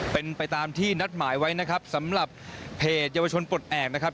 เป็นไปตามที่นัดหมายไว้นะครับสำหรับเพจเยาวชนปลดแอบนะครับ